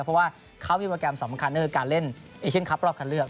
เพราะว่าเขามีโปรแกรมสำคัญก็คือการเล่นเอเชียนคลับรอบคันเลือก